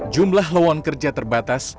jumlah lawan kerja terbatas